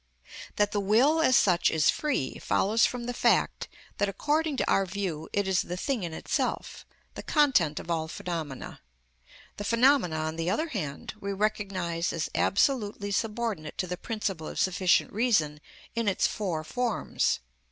That the will as such is free, follows from the fact that, according to our view, it is the thing in itself, the content of all phenomena. The phenomena, on the other hand, we recognise as absolutely subordinate to the principle of sufficient reason in its four forms.